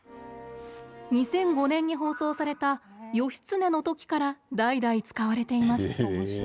２００５年に放送された「義経」の時から代々使われています。